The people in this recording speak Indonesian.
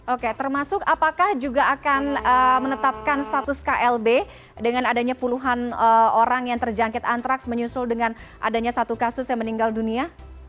oke termasuk apakah juga akan menetapkan status klb dengan adanya puluhan orang yang terjangkit antraks menyusul dengan adanya satu kasus yang meninggal dunia